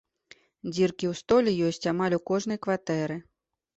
Дзіркі ў столі ёсць амаль у кожнай кватэры.